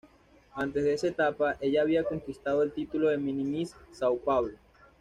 Antes de esa etapa, ella había conquistado el título de Mini Miss São Paulo.